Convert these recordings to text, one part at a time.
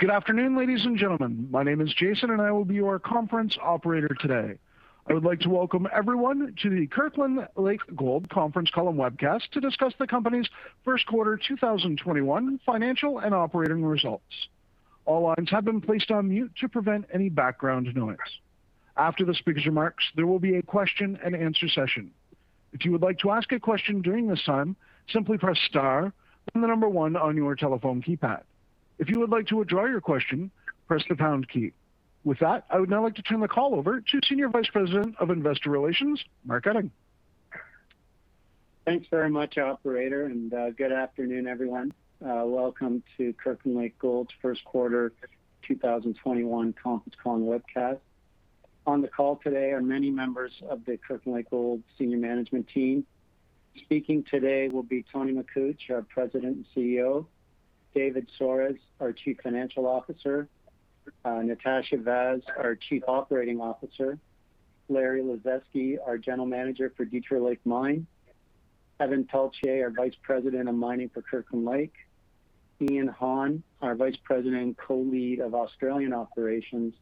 Good afternoon, ladies and gentlemen. My name is Jason, and I will be your conference operator today. I would like to welcome everyone to the Kirkland Lake Gold Conference Call and Webcast to discuss the company's First Quarter 2021 Financial and Operating Results. All lines have been placed on mute to prevent any background noise. After the speaker's remarks, there will be a question and answer session. If you would like to ask a question during this time, simply press star, then the number one on your telephone keypad. If you would like to withdraw your question, press the pound key. With that, I would now like to turn the call over to Senior Vice President of Investor Relations, Mark Utting. Thanks very much, operator, and good afternoon, everyone. Welcome to Kirkland Lake Gold's First Quarter 2021 Conference Call and Webcast. On the call today are many members of the Kirkland Lake Gold senior management team. Speaking today will be Tony Makuch, our President and CEO, David Soares, our Chief Financial Officer, Natasha Vaz, our Chief Operating Officer, Larry Lazeski, our General Manager for Detour Lake Mine, Evan Pelletier, our Vice President of Mining for Kirkland Lake, Ion Hann, our Vice President and Co-lead of Australian Operations,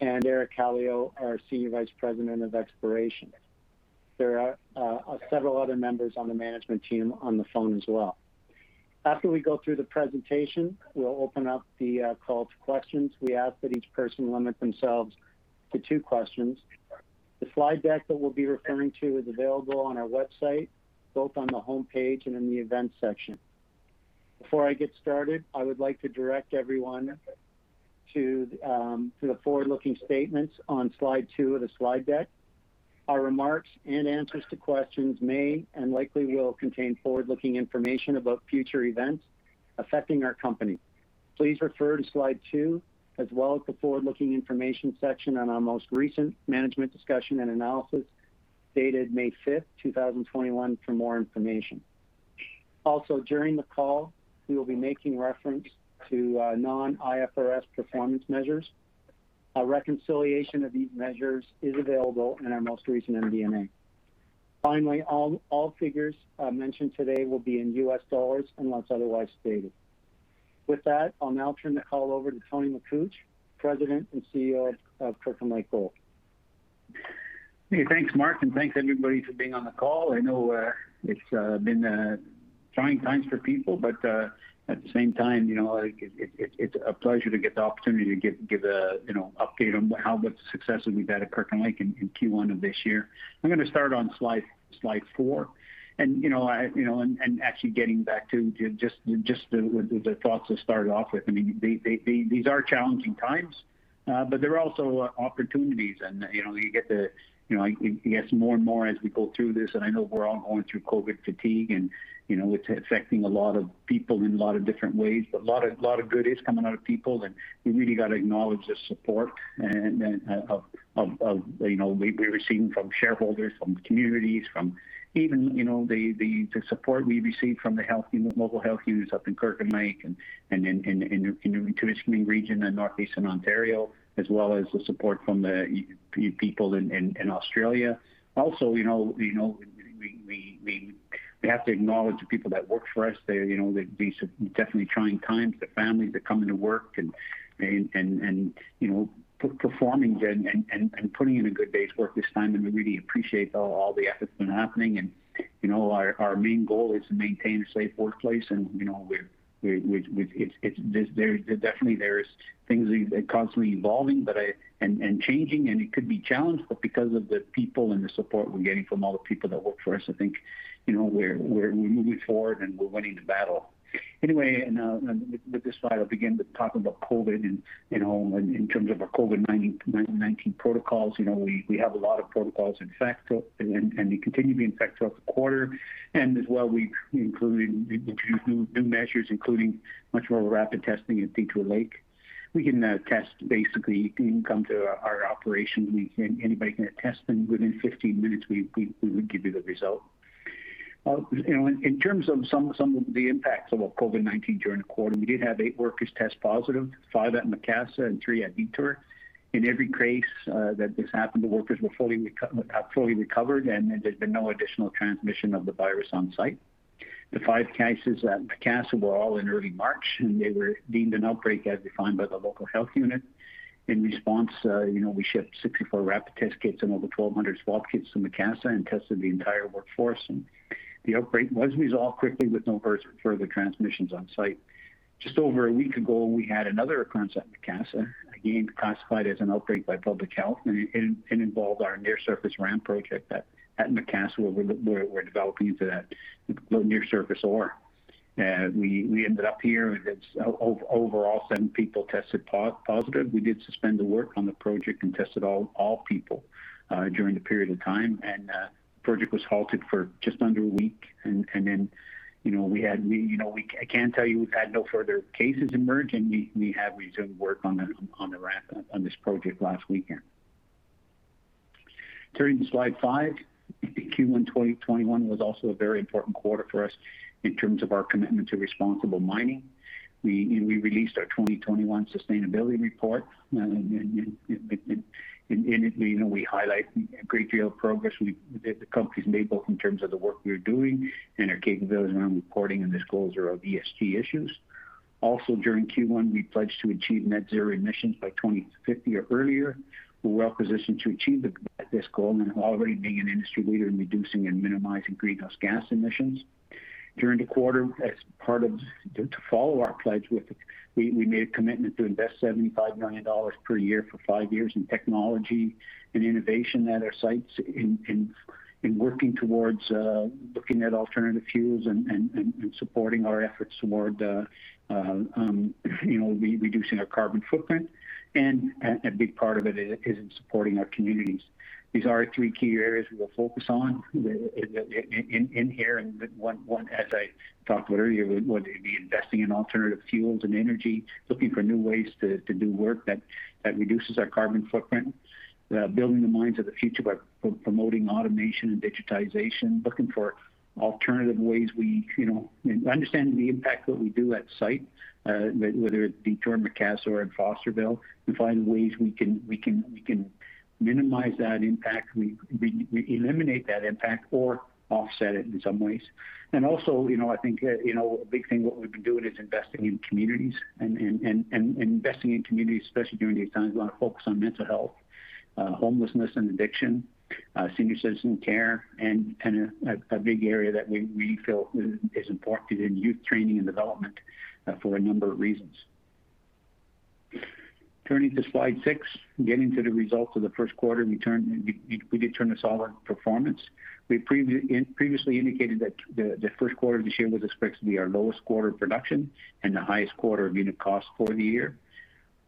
and Eric Kallio, our Senior Vice President of Exploration. There are several other members of the management team on the phone as well. After we go through the presentation, we'll open up the call to questions. We ask that each person limit themselves to two questions. The slide deck that we'll be referring to is available on our website, both on the homepage and in the Events section. Before I get started, I would like to direct everyone to the forward-looking statements on slide two of the slide deck. Our remarks in answers to questions may and likely will contain forward-looking information about future events affecting our company. Please refer to slide two, as well as the Forward-looking Information section on our most recent Management Discussion and Analysis dated May 5th, 2021, for more information. Also, during the call, we will be making reference to non-IFRS performance measures. A reconciliation of these measures is available in our most recent MD&A. Finally, all figures mentioned today will be in US dollars unless otherwise stated. With that, I'll now turn the call over to Tony Makuch, President and CEO of Kirkland Lake Gold. Hey, thanks, Mark, and thanks, everybody, for being on the call. I know it's been trying times for people, but at the same time, it's a pleasure to get the opportunity to give an update on how much success we've had at Kirkland Lake in Q1 of this year. I'm going to start on slide four, and actually getting back to just the thoughts to start off with. These are challenging times, but there are also opportunities, and you get to, I guess, more and more as we go through this, and I know we're all going through COVID fatigue, and it's affecting a lot of people in a lot of different ways. A lot of good is coming out of people, and we really got to acknowledge the support we're receiving from shareholders, from communities, from even the support we've received from the local health units up in Kirkland Lake and in the Timmins region in Northeastern Ontario as well as the support from the people in Australia. Also, we have to acknowledge the people that work for us. These are definitely trying times. The families are coming to work and performing and putting in a good day's work this time, and we really appreciate all the effort that's been happening. Our main goal is to maintain a safe workplace, and there's definitely things constantly evolving and changing and it could be challenged. Because of the people and the support we're getting from all the people that work for us, I think we're moving forward, and we're winning the battle. With this slide, I'll begin to talk about COVID-19 and in terms of our COVID-19 protocols. We have a lot of protocols in effect, and they continue to be in effect throughout the quarter. As well, we included new measures, including much more rapid testing at Detour Lake. We can now test basically anyone coming to our operations. Anybody can get tested, and within 15 minutes, we would give you the result. In terms of some of the impacts of COVID-19 during the quarter, we did have eight workers test positive, five at Macassa and three at Detour. In every case that this happened, the workers have fully recovered, and there's been no additional transmission of the virus on-site. The five cases at Macassa were all in early March, and they were deemed an outbreak as defined by the local health unit. In response, we shipped 64 rapid test kits and over 1,200 swab kits to Macassa and tested the entire workforce. The outbreak was resolved quickly with no further transmissions on-site. Just over a week ago, we had another occurrence at Macassa, again classified as an outbreak by public health, and it involved our near-surface ramp project at Macassa, where we're developing into that near-surface ore. We ended up here, and it's overall seven people tested positive. We did suspend the work on the project and tested all people during the period of time. Project was halted for just under a week. I can tell you we've had no further cases emerge, and we resumed work on this project last weekend. Turning to slide five, Q1 2021 was also a very important quarter for us in terms of our commitment to responsible mining. We released our 2021 sustainability report. In it, we highlight a great deal of progress the company's made both in terms of the work we are doing and our capabilities around reporting and disclosure of ESG issues. Also during Q1, we pledged to achieve net zero emissions by 2050 or earlier. We're well-positioned to achieve this goal and already being an industry leader in reducing and minimizing greenhouse gas emissions. During the quarter, to follow our pledge with it, we made a commitment to invest $75 million per year for five years in technology and innovation at our sites in working towards looking at alternative fuels and supporting our efforts toward reducing our carbon footprint. A big part of it is in supporting our communities. These are our three key areas we will focus on in here, and one, as I talked earlier, would be investing in alternative fuels and energy, looking for new ways to do work that reduces our carbon footprint, building the mines of the future by promoting automation and digitization, looking for alternative ways we understand the impact that we do at site, whether it be Detour, Macassa, or at Fosterville, to find ways we can minimize that impact, we eliminate that impact, or offset it in some ways. Also, I think a big thing, what we've been doing is investing in communities, and investing in communities, especially during these times, we want to focus on mental health, homelessness and addiction, senior citizen care, and a big area that we feel is important in youth training and development for a number of reasons. Turning to slide six, getting to the results of the first quarter, we did turn a solid performance. We previously indicated that the first quarter of this year was expected to be our lowest quarter of production and the highest quarter of unit cost for the year.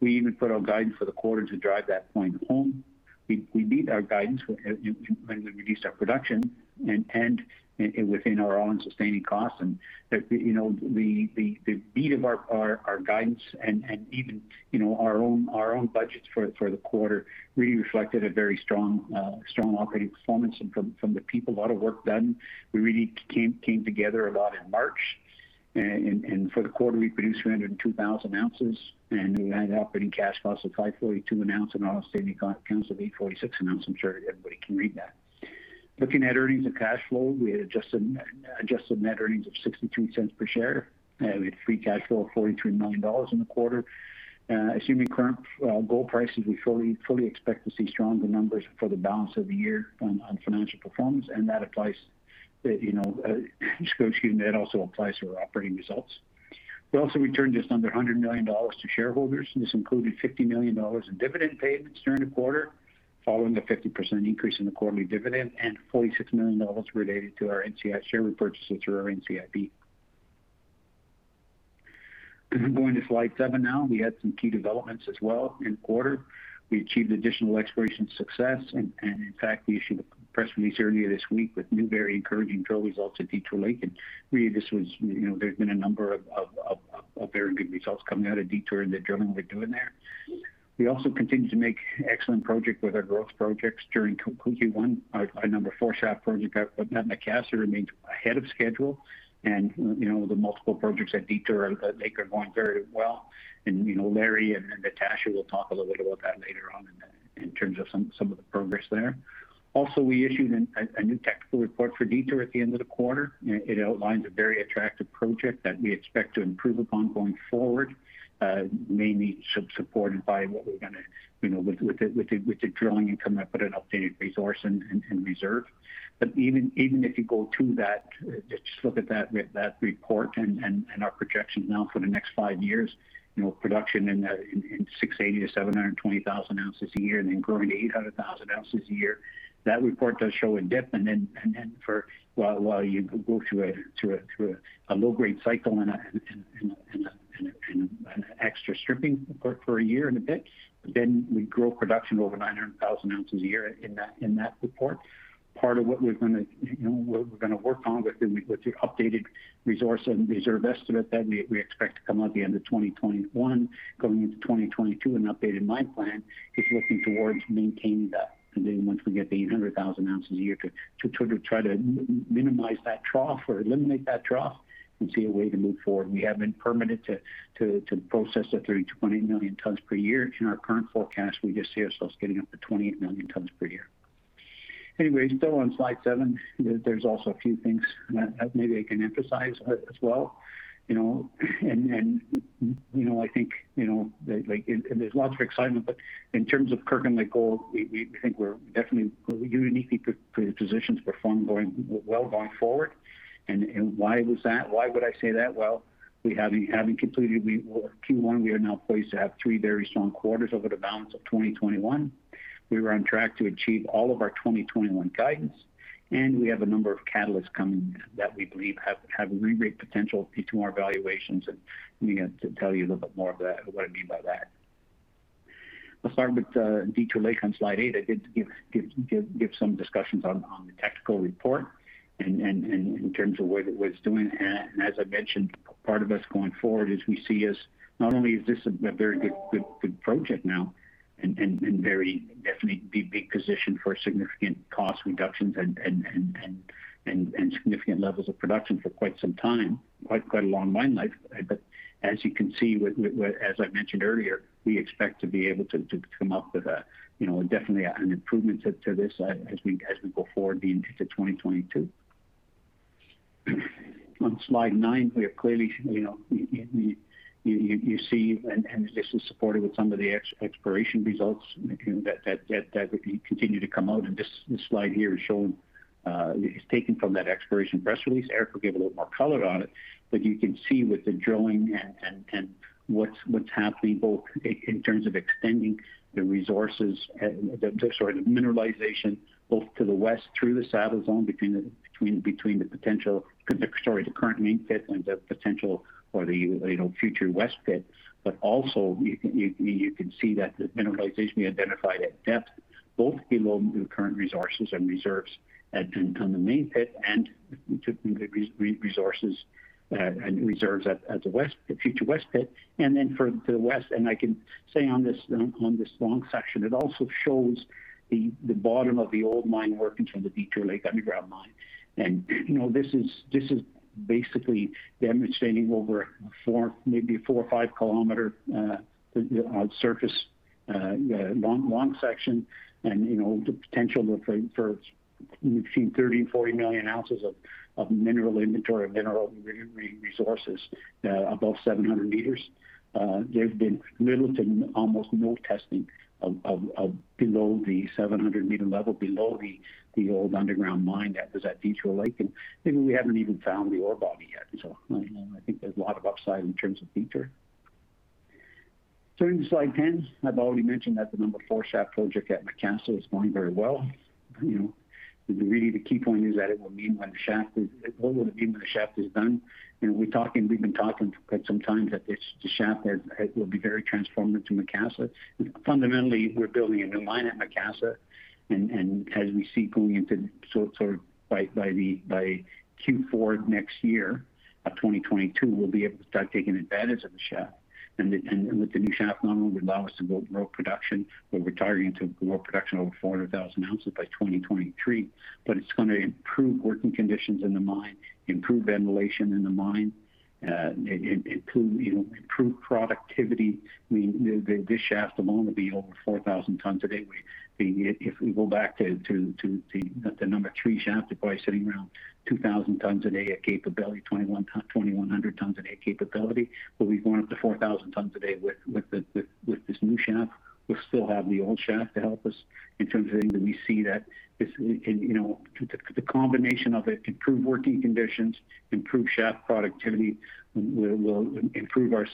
We even put our guidance for the quarter to drive that point home. We beat our guidance when we reduced our production and within our own sustaining costs. The beat of our guidance and even our own budgets for the quarter really reflected a very strong operating performance from the people. A lot of work was done. We really came together a lot in March. For the quarter, we produced 302,000 ounces, and we had operating cash costs of $542 an ounce and all-in sustaining costs of $8.46 an ounce. I'm sure everybody can read that. Looking at earnings and cash flow, we had adjusted net earnings of $0.62 per share. We had free cash flow of $43 million in the quarter. Assuming current gold prices, we fully expect to see stronger numbers for the balance of the year on financial performance. That also applies to our operating results. We also returned just under $100 million to shareholders. This included $50 million in dividend payments during the quarter, following the 50% increase in the quarterly dividend, and $46 million related to our NCIB share repurchase through our NCIB. Going to slide seven now. We had some key developments as well in the quarter. We achieved additional exploration success. In fact, we issued a press release earlier this week with new, very encouraging drill results at Detour Lake. Really, there's been a number of very good results coming out of Detour and the drilling we're doing there. We also continue to make excellent project with our growth projects during Q1. Our Number 4 Shaft project at Macassa remains ahead of schedule, and the multiple projects at Detour Lake are going very well. Larry and Natasha will talk a little bit about that later on in terms of some of the progress there. Also, we issued a new technical report for Detour at the end of the quarter. It outlines a very attractive project that we expect to improve upon going forward, mainly supported by what we're going to with the drilling and come up with an updated resource and reserve. Even if you go to that, just look at that report and our projections now for the next five years, production in 680,000-720,000 ounces a year and then growing to 800,000 ounces a year, that report does show a dip while you go through a low-grade cycle and an extra stripping for a year and a bit. We grow production over 900,000 ounces a year in that report. Part of what we're going to work on with the updated resource and reserve estimate that we expect to come out at the end of 2021, going into 2022, an updated mine plan is looking towards maintaining that. Once we get to 800,000 ounces a year to try to minimize that trough or eliminate that trough and see a way to move forward. We haven't been permitted to process the 32 million tons per year. In our current forecast, we just see ourselves getting up to 28 million tons per year. Still on slide seven, there's also a few things that maybe I can emphasize as well. I think there's lots of excitement, but in terms of Kirkland Lake Gold, we think we're definitely uniquely positioned to perform well going forward. Why was that? Why would I say that? Well, having completed Q1, we are now poised to have three very strong quarters over the balance of 2021. We were on track to achieve all of our 2021 guidance, and we have a number of catalysts coming that we believe have re-rate potential to our valuations, and I'm going to tell you a little bit more of what I mean by that. I'll start with Detour Lake on slide eight. I did give some discussions on the technical report and in terms of what it was doing. As I mentioned, part of us going forward is we see as not only is this a very good project now and very definitely be big positioned for significant cost reductions and significant levels of production for quite some time, quite a long mine life. As you can see, as I mentioned earlier, we expect to be able to come up with definitely an improvement to this as we go forward into 2022. On slide nine, you see, this is supported with some of the exploration results that continue to come out. This slide here is taken from that exploration press release. Eric will give a little more color on it, you can see with the drilling and what's happening, both in terms of extending the resources, the sort of mineralization both to the west through the Saddle zone, between the current main pit and the potential or the future west pit. Also, you can see that the mineralization we identified at depth, both below the current resources and reserves on the main pit and the resources and reserves at the future west pit. Then further to the west, and I can say on this long section, it also shows the bottom of the old mine workings from the Detour Lake Underground Mine. This is basically demonstrating over maybe a 4 or 5 km surface long section and the potential for between 30 and 40 million ounces of mineral inventory, mineral resources above 700 meters. There's been little to almost no testing below the 700-meter level, below the old underground mine that was at Detour Lake. Maybe we haven't even found the ore body yet. I think there's a lot of upside in terms of Detour. Turning to slide 10. I've already mentioned that the Number 4 Shaft project at Macassa is going very well. Really the key point is what will it mean when the shaft is done. We've been talking quite some times that the shaft will be very transformative to Macassa. Fundamentally, we're building a new mine at Macassa. As we see going into sort of by Q4 next year of 2022, we'll be able to start taking advantage of the shaft. With the new shaft not only would allow us to build more production. We're targeting to grow production over 400,000 ounces by 2023. It's going to improve working conditions in the mine, improve ventilation in the mine, improve productivity. This shaft alone will be over 4,000 tons a day, where if we go back to the Number 3 Shaft, it probably sitting around 2,000 tons a day of capability, 2,100 tons a day capability. We've gone up to 4,000 tons a day with this new shaft. We'll still have the old shaft to help us in terms of things that we see that the combination of it improve working conditions, improve shaft productivity, will improve our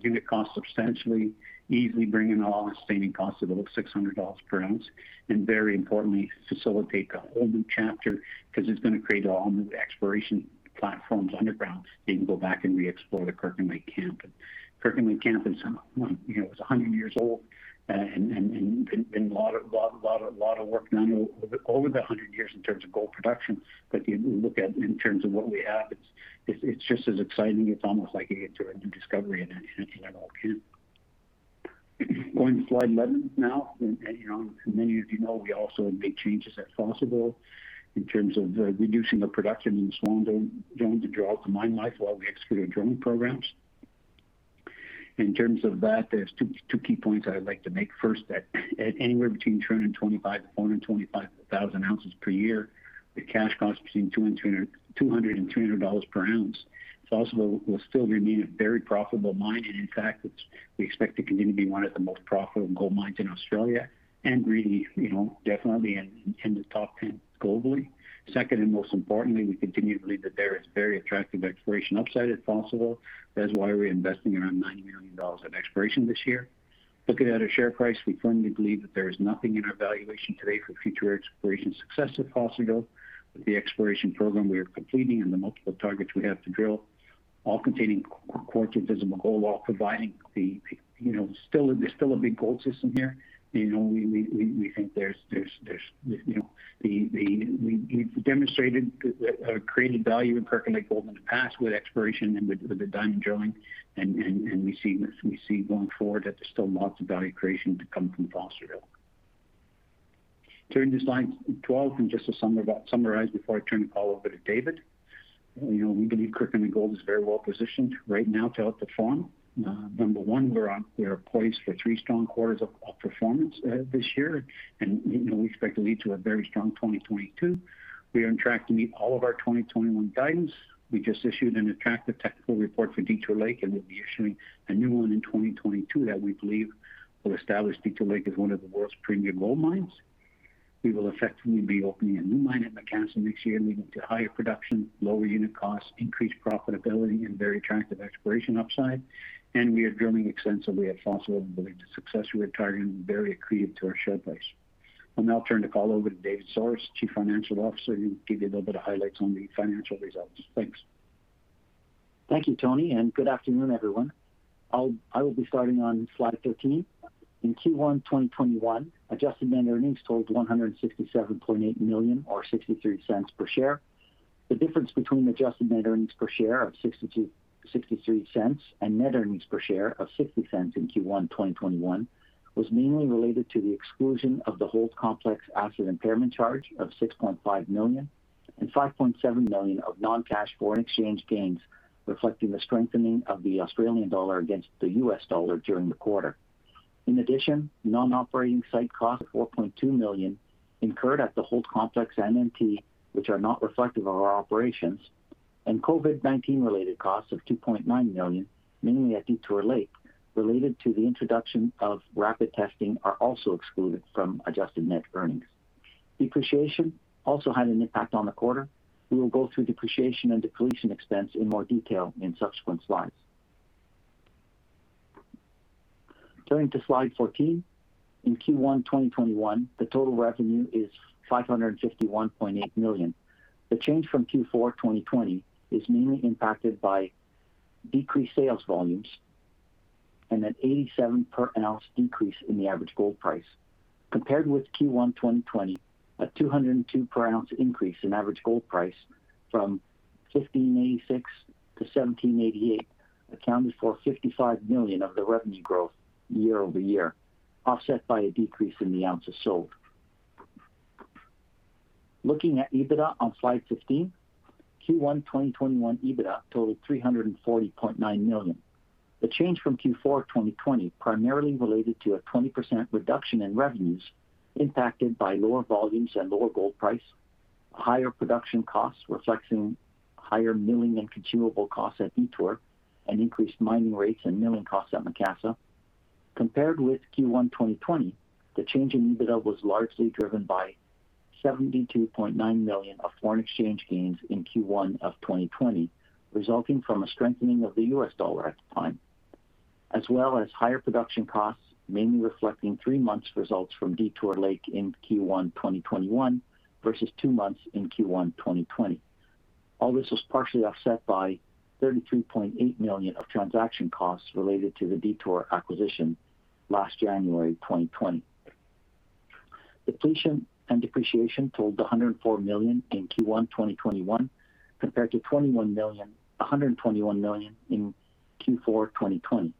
unit cost substantially, easily bringing all-in sustaining costs to below $600 per ounce. Very importantly, facilitate a whole new chapter, because it's going to create a whole new exploration platforms underground, and go back and re-explore the Kirkland Lake camp. Kirkland Lake camp is 100 years old and been a lot of work done over the 100 years in terms of gold production. You look at in terms of what we have, it's just as exciting. It's almost like a new discovery in an essential level camp. Going to slide 11 now. Many of you know we also make changes at Fosterville in terms of reducing the production in the Swan Zone to draw out the mine life while we execute our drilling programs. In terms of that, there's two key points I'd like to make. First, that at anywhere between 225,000-225,000 ounces per year, the cash costs between $200-$300 per ounce. Fosterville will still remain a very profitable mine, and in fact, we expect to continue to be one of the most profitable gold mines in Australia and really, definitely in the top 10 globally. Second, and most importantly, we continue to believe that there is very attractive exploration upside at Fosterville. That is why we're investing around $90 million in exploration this year. Looking at our share price, we firmly believe that there is nothing in our valuation today for future exploration success at Fosterville. With the exploration program we are completing and the multiple targets we have to drill, all containing high grades of visible gold. There's still a big gold system here. We've demonstrated, created value in Kirkland Lake Gold in the past with exploration and with the diamond drilling, and we see going forward that there's still lots of value creation to come from Fosterville. Turning to slide 12, just to summarize before I turn the call over to David. We believe Kirkland Lake Gold is very well positioned right now to outperform. Number one, we are poised for three strong quarters of outperformance this year, and we expect to lead to a very strong 2022. We are on track to meet all of our 2021 guidance. We just issued an attractive technical report for Detour Lake, and we'll be issuing a new one in 2022 that we believe will establish Detour Lake as one of the world's premium gold mines. We will effectively be opening a new mine at Macassa next year, leading to higher production, lower unit costs, increased profitability, and very attractive exploration upside. We are drilling extensively at Fosterville and believe the success we're targeting will be very accretive to our share price. I'll now turn the call over to David Soares, Chief Financial Officer, who will give you a little bit of highlights on the financial results. Thanks. Thank you, Tony, good afternoon, everyone. I will be starting on slide 13. In Q1 2021, adjusted net earnings totaled $167.8 million or $0.63 per share. The difference between adjusted net earnings per share of $0.63 and net earnings per share of $0.60 in Q1 2021 was mainly related to the exclusion of the Holt Complex asset impairment charge of $6.5 million and $5.7 million of non-cash foreign exchange gains, reflecting the strengthening of the Australian dollar against the US dollar during the quarter. Non-operating site costs, $4.2 million, incurred at the Holt Complex and NT, which are not reflective of our operations, and COVID-19 related costs of $2.9 million, mainly at Detour Lake, related to the introduction of rapid testing, are also excluded from adjusted net earnings. Depreciation also had an impact on the quarter. We will go through depreciation and depletion expense in more detail in subsequent slides. Turning to slide 14. In Q1 2021, the total revenue is $551.8 million. The change from Q4 2020 is mainly impacted by decreased sales volumes and an 87 per ounce decrease in the average gold price. Compared with Q1 2020, a 202 per ounce increase in average gold price from $1,586-$1,788 accounted for $55 million of the revenue growth year-over-year, offset by a decrease in the ounces sold. Looking at EBITDA on slide 15. Q1 2021 EBITDA totaled $340.9 million. The change from Q4 2020 primarily related to a 20% reduction in revenues impacted by lower volumes and lower gold price, higher production costs reflecting higher milling and consumable costs at Detour, and increased mining rates and milling costs at Macassa. Compared with Q1 2020, the change in EBITDA was largely driven by $72.9 million of foreign exchange gains in Q1 2020, resulting from a strengthening of the US dollar at the time, as well as higher production costs, mainly reflecting three months results from Detour Lake in Q1 2021 versus two months in Q1 2020. All this was partially offset by $33.8 million of transaction costs related to the Detour acquisition last January 2020. Depletion and depreciation totaled $104 million in Q1 2021 compared to $121 million in Q4 2020.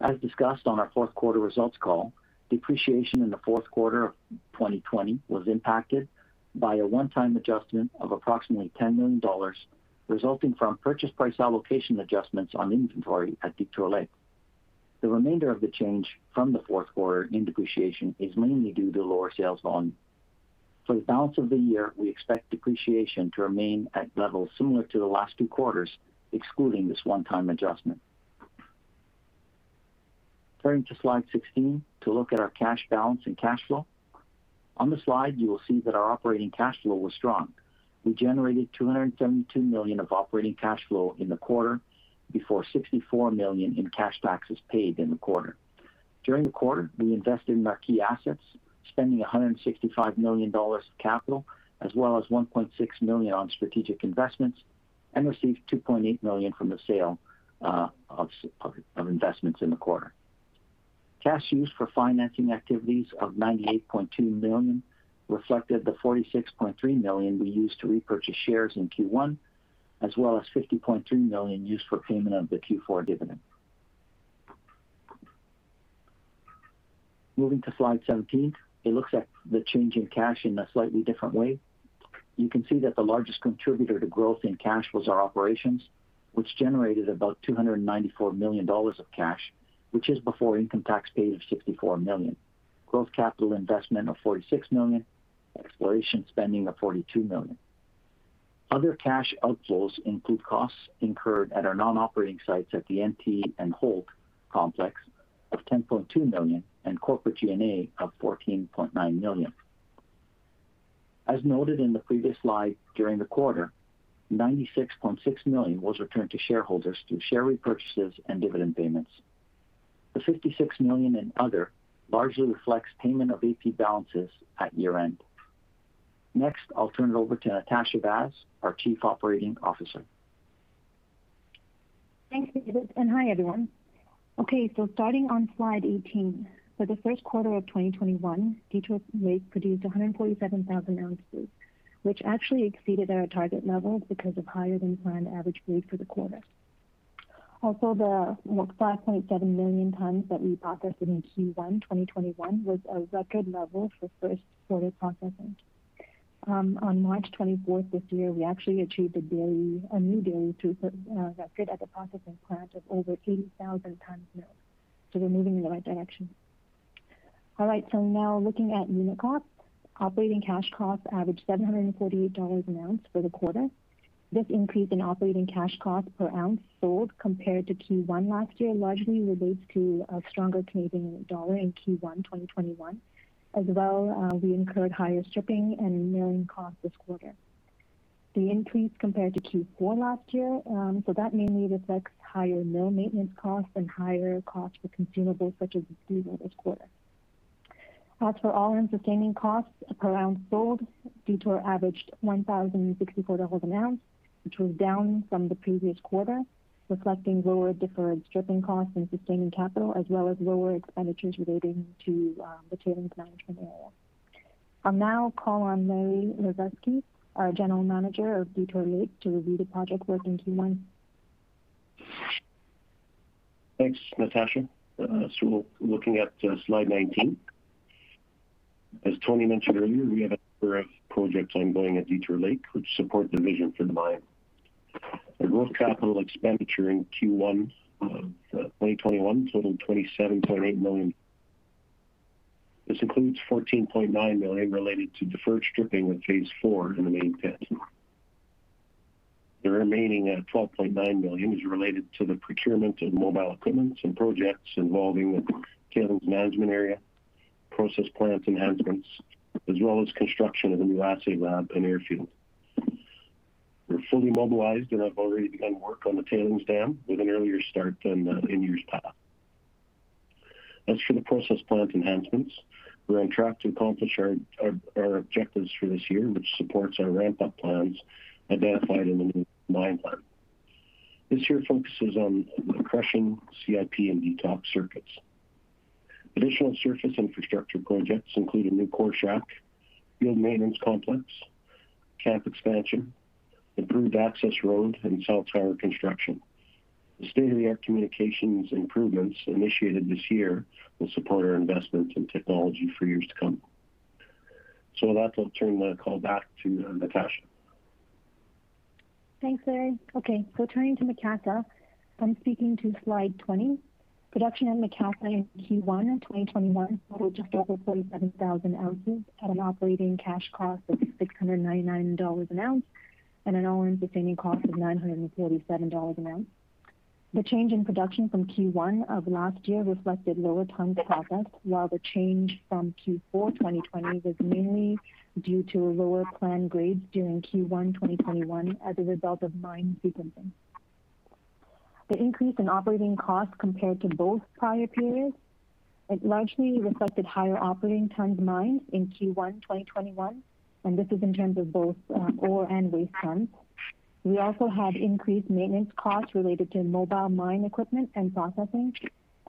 As discussed on our fourth quarter results call, depreciation in the fourth quarter of 2020 was impacted by a one-time adjustment of approximately $10 million, resulting from purchase price allocation adjustments on inventory at Detour Lake. The remainder of the change from the fourth quarter in depreciation is mainly due to lower sales volume. For the balance of the year, we expect depreciation to remain at levels similar to the last two quarters, excluding this one-time adjustment. Turning to slide 16 to look at our cash balance and cash flow. On the slide, you will see that our operating cash flow was strong. We generated $272 million of operating cash flow in the quarter, before $64 million in cash taxes paid in the quarter. During the quarter, we invested in our key assets, spending $165 million of capital as well as $1.6 million on strategic investments, and received $2.8 million from the sale of investments in the quarter. Cash used for financing activities of $98.2 million reflected the $46.3 million we used to repurchase shares in Q1, as well as $50.3 million used for payment of the Q4 dividend. Moving to slide 17. It looks at the change in cash in a slightly different way. You can see that the largest contributor to growth in cash was our operations, which generated about $294 million of cash, which is before income tax paid of $64 million, gross capital investment of $46 million, exploration spending of $42 million. Other cash outflows include costs incurred at our non-operating sites at the NT and Holt Complex of $10.2 million and corporate G&A of $14.9 million. As noted in the previous slide, during the quarter, $96.6 million was returned to shareholders through share repurchases and dividend payments. The $56 million in other largely reflects payment of AP balances at year-end. Next, I'll turn it over to Natasha Vaz, our Chief Operating Officer. Thanks, David, and hi, everyone. Okay, starting on slide 18. For the first quarter of 2021, Detour Lake produced 147,000 ounces, which actually exceeded our target levels because of higher than planned average grade for the quarter. Also, the 5.7 million tons that we processed in Q1 2021 was a record level for first quarter processing. On March 24th this year, we actually achieved a new daily throughput record at the processing plant of over 80,000 tons milled. We're moving in the right direction. All right. Now looking at unit costs. Operating cash costs averaged $748 an ounce for the quarter. This increase in operating cash cost per ounce sold compared to Q1 last year largely relates to a stronger Canadian dollar in Q1 2021. As well, we incurred higher stripping and milling costs this quarter. The increase compared to Q4 last year, that mainly reflects higher mill maintenance costs and higher costs for consumables such as diesel this quarter. As for all-in sustaining costs per ounce sold, Detour averaged $1,064 an ounce, which was down from the previous quarter, reflecting lower deferred stripping costs and sustaining capital, as well as lower expenditures relating to the tailings management area. I'll now call on Larry Lazeski, our Mine General Manager of Detour Lake, to review the project work in Q1. Thanks, Natasha. Looking at slide 19. As Tony mentioned earlier, we have a number of projects ongoing at Detour Lake, which support the vision for the mine. Our gross capital expenditure in Q1 of 2021 totaled $27.8 million. This includes $14.9 million related to deferred stripping with phase IV in the main pit. The remaining $12.9 million is related to the procurement of mobile equipment and projects involving the tailings management area, process plant enhancements, as well as construction of a new assay lab and airfield. We're fully mobilized and have already begun work on the tailings dam with an earlier start than in years past. As for the process plant enhancements, we're on track to accomplish our objectives for this year, which supports our ramp-up plans identified in the new mine plan. This year focuses on the crushing CIP and detox circuits. Additional surface infrastructure projects include a new core shack, field maintenance complex, camp expansion, improved access road, and cell tower construction. The state-of-the-art communications improvements initiated this year will support our investment in technology for years to come. With that, I'll turn the call back to Natasha. Thanks, Larry. Turning to Macassa. I am speaking to slide 20. Production at Macassa in Q1 2021 totaled just over 37,000 ounces at an operating cash cost of $699 an ounce and an all-in sustaining cost of $937 an ounce. The change in production from Q1 of last year reflected lower tons processed, while the change from Q4 2020 was mainly due to lower planned grades during Q1 2021 as a result of mine sequencing. The increase in operating costs compared to both prior periods, it largely reflected higher operating tons mined in Q1 2021, and this is in terms of both ore and waste tons. As well, we had increased maintenance costs related to mobile mine equipment and processing.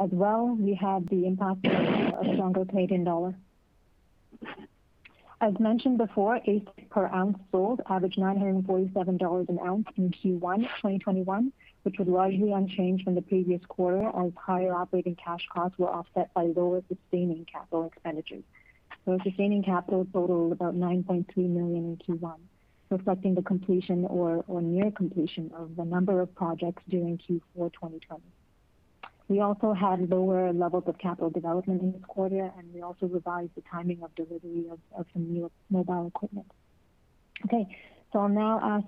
As well, we had the impact of a stronger Canadian dollar. As mentioned before, AISC per ounce sold averaged $947 an ounce in Q1 2021, which was largely unchanged from the previous quarter as higher operating cash costs were offset by lower sustaining capital expenditures. Sustaining capital totaled about $9.3 million in Q1, reflecting the completion or near completion of the number of projects during Q4 2020. We also had lower levels of capital development in this quarter, and we also revised the timing of delivery of some new mobile equipment. Okay, I'll now ask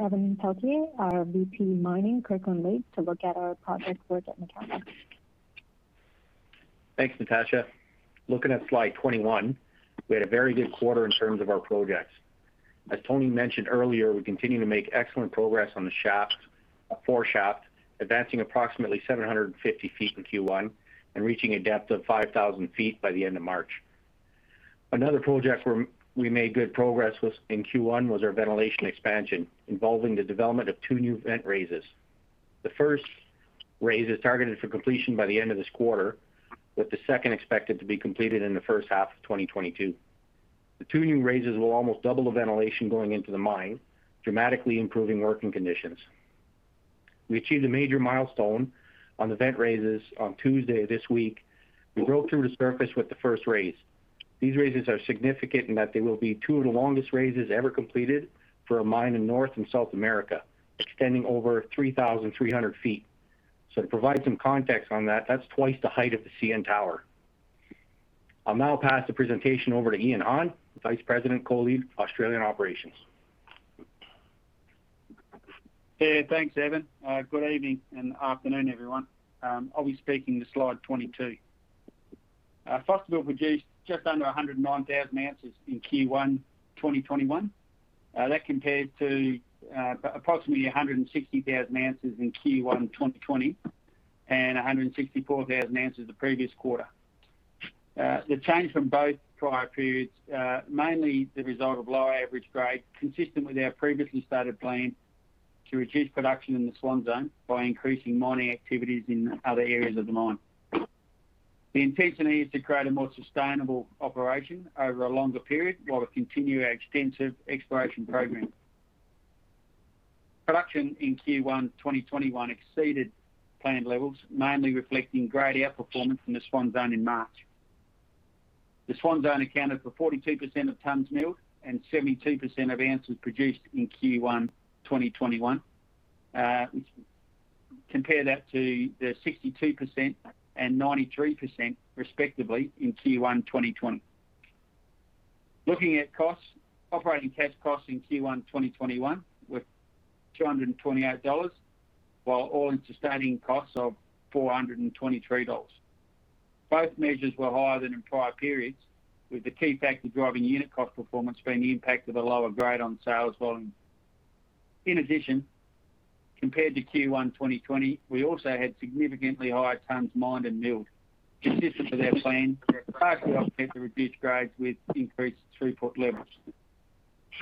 Evan Pelletier, our Vice President of Mining, Kirkland Lake Gold, to look at our project work at Macassa Mine. Thanks, Natasha. Looking at slide 21, we had a very good quarter in terms of our projects. As Tony mentioned earlier, we continue to make excellent progress on the Number 4 Shaft, advancing approximately 750 ft in Q1 and reaching a depth of 5,000 ft by the end of March. Another project where we made good progress in Q1 was our ventilation expansion, involving the development of two new vent raises. The first raise is targeted for completion by the end of this quarter, with the second expected to be completed in the first half of 2022. The two new raises will almost double the ventilation going into the mine, dramatically improving working conditions. We achieved a major milestone on the vent raises on Tuesday this week. We broke through the surface with the first raise. These raises are significant in that they will be two of the longest raises ever completed for a mine in North and South America, extending over 3,300 ft. To provide some context on that's twice the height of the CN Tower. I'll now pass the presentation over to Ion Hann, Vice President, Co-Lead, Australian Operations. Hey, thanks, Evan. Good evening and afternoon, everyone. I'll be speaking to slide 22. Fosterville produced just under 109,000 ounces in Q1 2021. That compared to approximately 160,000 ounces in Q1 2020 and 164,000 ounces the previous quarter. The change from both prior periods, mainly the result of lower average grade, consistent with our previously stated plan to reduce production in the Swan Zone by increasing mining activities in other areas of the mine. The intention is to create a more sustainable operation over a longer period while we continue our extensive exploration program. Production in Q1 2021 exceeded planned levels, mainly reflecting grade outperformance in the Swan Zone in March. The Swan Zone accounted for 42% of tonnes milled and 72% of ounces produced in Q1 2021. Compare that to the 62% and 93%, respectively, in Q1 2020. Looking at costs, operating cash costs in Q1 2021 were $228, while all-in sustaining costs of $423. Both measures were higher than in prior periods, with the key factor driving unit cost performance being the impact of a lower grade on sales volume. In addition, compared to Q1 2020, we also had significantly higher tonnes mined and milled. Consistent with our plan, we partly offset the reduced grades with increased throughput levels.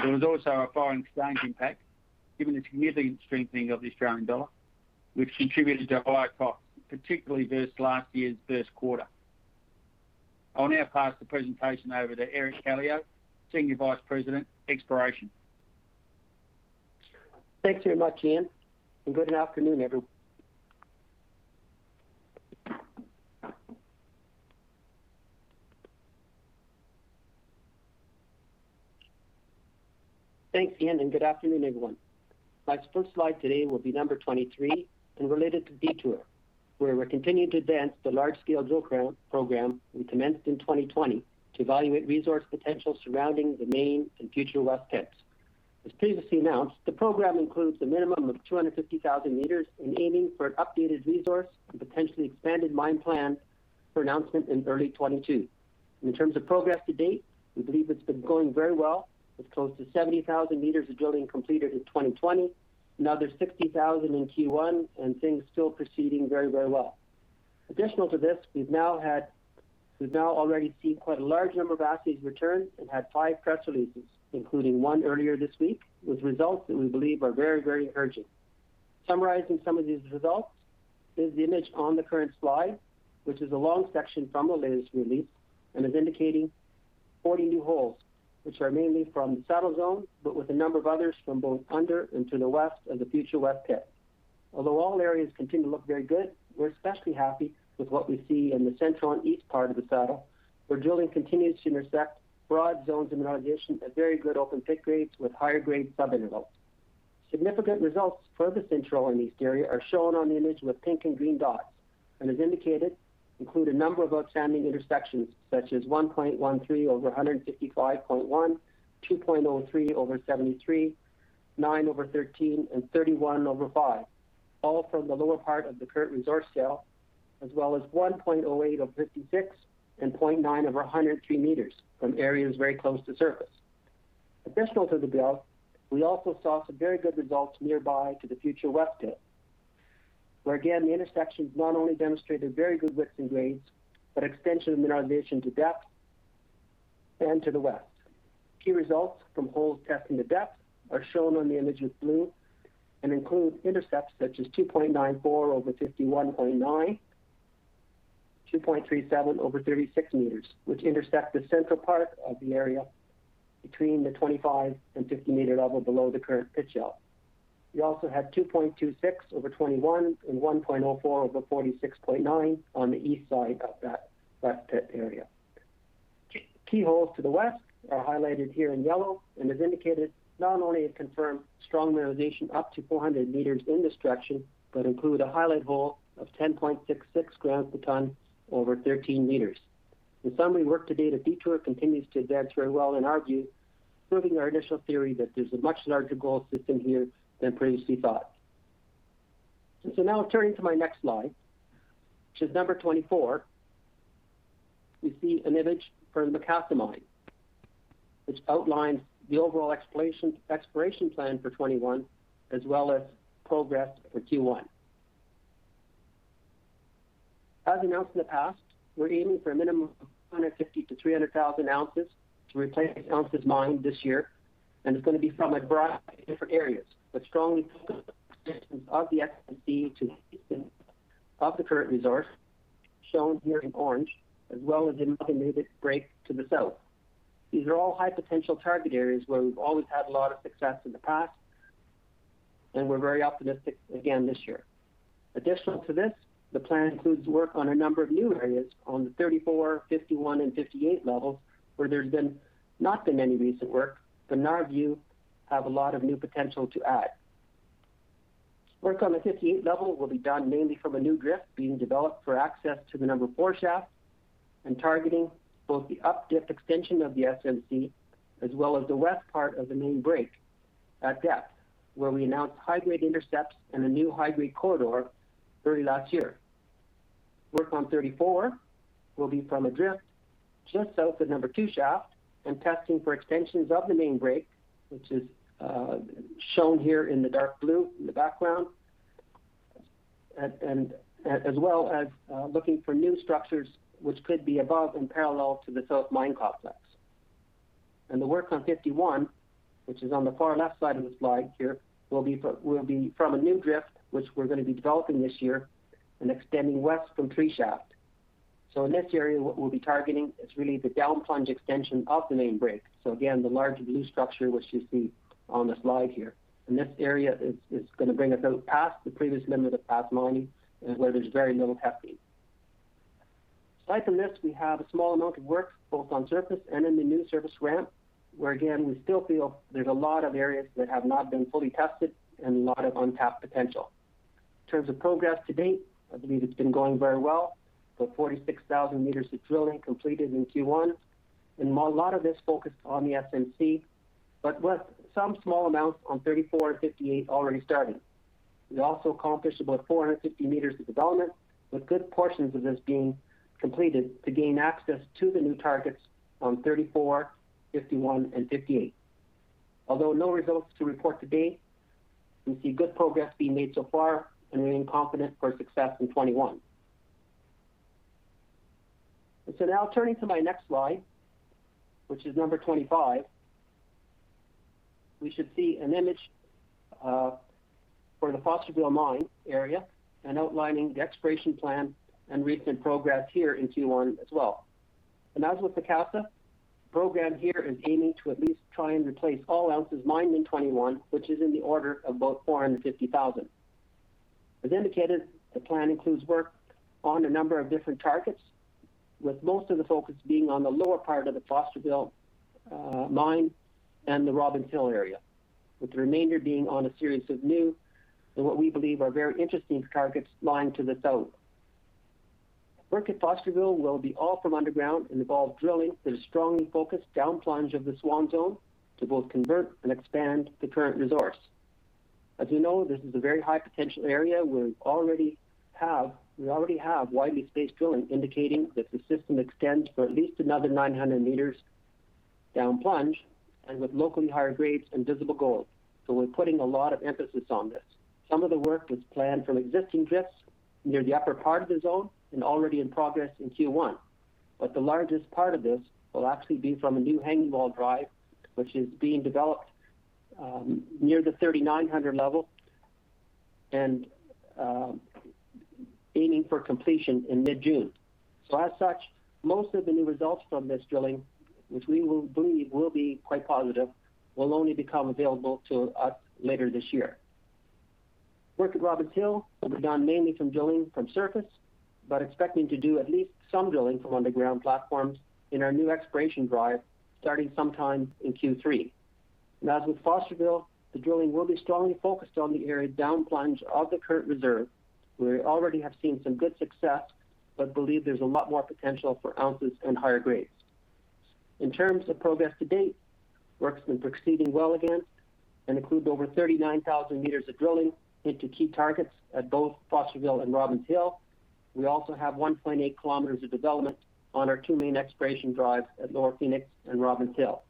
There was also a foreign exchange impact given the significant strengthening of the Australian dollar, which contributed to higher costs, particularly versus last year's first quarter. I'll now pass the presentation over to Eric Kallio, Senior Vice President, Exploration. Thanks very much, Ion, and good afternoon, everyone. Thanks Ion. Good afternoon, everyone. My first slide today will be number 23 and related to Detour, where we're continuing to advance the large-scale drill program we commenced in 2020 to evaluate resource potential surrounding the main and future west pits. As previously announced, the program includes a minimum of 250,000 meters aiming for an updated resource and potentially expanded mine plan for announcement in early 2022. In terms of progress to date, we believe it's been going very well, with close to 70,000 meters of drilling completed in 2020, another 60,000 in Q1, things still proceeding very well. Additional to this, we've now already seen quite a large number of assays returned and had five press releases, including one earlier this week, with results that we believe are very encouraging. Summarizing some of these results is the image on the current slide, which is a long section from the latest release and is indicating 40 new holes, which are mainly from the saddle zone, but with a number of others from both under and to the west of the future west pit. Although all areas continue to look very good, we're especially happy with what we see in the central and east part of the saddle, where drilling continues to intersect broad zones of mineralization at very good open pit grades with higher-grade sub-intervals. Significant results for the central and east area are shown on the image with pink and green dots, and as indicated, include a number of outstanding intersections, such as 1.13 over 155.1, 2.03 over 73, nine over 13, and 31 over five, all from the lower part of the current resource shell, as well as 1.08 over 56 and 0.9 over 103 meters from areas very close to surface. Additional to the drill, we also saw some very good results nearby to the future west pit, where again, the intersections not only demonstrated very good widths and grades, but extension of mineralization to depth and to the west. Key results from holes testing the depth are shown on the image in blue and include intercepts such as 2.94 over 51.9, 2.37 over 36 meters, which intersect the central part of the area between the 25 and 50-meter level below the current pit shell. We also had 2.26 over 21 and 1.04 over 46.9 on the east side of that west pit area. Key holes to the west are highlighted here in yellow and as indicated, not only it confirmed strong mineralization up to 400 meters in this direction, but include a highlight hole of 10.66 grams per ton over 13 meters. In summary, work to date at Detour continues to advance very well in our view, proving our initial theory that there's a much larger gold system here than previously thought. Now turning to my next slide, which is 24, we see an image from the Macassa Mine, which outlines the overall exploration plan for 2021, as well as progress for Q1. As announced in the past, we're aiming for a minimum of 250,000-300,000 ounces to replace ounces mined this year, and it's going to be from a variety of different areas, but strongly of the SMC to the east of the current resource, shown here in orange, as well as the newly discovered main break to the south. These are all high-potential target areas where we've always had a lot of success in the past, and we're very optimistic again this year. Additional to this, the plan includes work on a number of new areas on the 34, 51, and 58 levels, where there's not been any recent work, but in our view, have a lot of new potential to add. Work on the 58 level will be done mainly from a new drift being developed for access to the Number 4 Shaft and targeting both the up-dip extension of the SMC as well as the west part of the main break at depth, where we announced high-grade intercepts in a new high-grade corridor early last year. Work on 34 will be from a drift just south of number two shaft and testing for extensions of the main break, which is shown here in the dark blue in the background, as well as looking for new structures which could be above and parallel to the South Mine Complex. The work on 51, which is on the far left side of the slide here, will be from a new drift, which we're going to be developing this year and extending west from Number 3 Shaft. In this area, what we'll be targeting is really the down plunge extension of the main break. Again, the large blue structure which you see on the slide here. This area is going to bring us out past the previous limit of past mining and where there's very little testing. Aside from this, we have a small amount of work both on surface and in the new service ramp, where again, we still feel there's a lot of areas that have not been fully tested and a lot of untapped potential. In terms of progress to date, I believe it's been going very well, with 46,000 meters of drilling completed in Q1. A lot of this focused on the SMC, but with some small amounts on 34 and 58 already starting. We also accomplished about 450 meters of development, with good portions of this being completed to gain access to the new targets on 34, 51, and 58. No results to report to date, we see good progress being made so far and remain confident for success in 2021. Now turning to my next slide, which is number 25, we should see an image for the Fosterville Mine area and outlining the exploration plan and recent progress here in Q1 as well. As with Macassa, program here is aiming to at least try and replace all ounces mined in 2021, which is in the order of about 450,000. As indicated, the plan includes work on a number of different targets, with most of the focus being on the lower part of the Fosterville Mine and the Robbins Hill area, with the remainder being on a series of new, and what we believe are very interesting targets lying to the south. Work at Fosterville will be all from underground and involve drilling that is strongly focused down plunge of the Swan Zone to both convert and expand the current resource. As you know, this is a very high potential area. We already have widely spaced drilling indicating that the system extends for at least another 900 meters down plunge, and with locally higher grades and visible gold. We're putting a lot of emphasis on this. Some of the work was planned from existing drifts near the upper part of the zone and already in progress in Q1. The largest part of this will actually be from a new hanging wall drive, which is being developed near the 3900 level and aiming for completion in mid-June. As such, most of the new results from this drilling, which we believe will be quite positive, will only become available to us later this year. Work at Robbins Hill will be done mainly from drilling from surface, but expecting to do at least some drilling from underground platforms in our new exploration drive starting sometime in Q3. As with Fosterville, the drilling will be strongly focused on the area down plunge of the current reserve, where we already have seen some good success, but believe there's a lot more potential for ounces and higher grades. In terms of progress to date, work's been proceeding well again and includes over 39,000 meters of drilling into key targets at both Fosterville and Robbins Hill. We also have 1.8 km of development on our two main exploration drives at Lower Phoenix and Robbins Hill.